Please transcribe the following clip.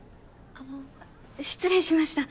あっ失礼しました